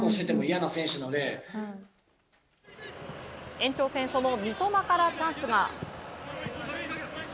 延長戦その三笘からチャンスが。